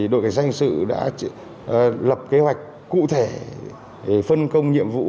đối với dân sự đã lập kế hoạch cụ thể phân công nhiệm vụ